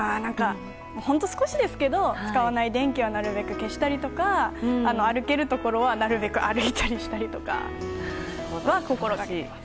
本当に少しですけど使わない電気はなるべく消したり歩けるところはなるべく歩いたりしたりとかは心がけています。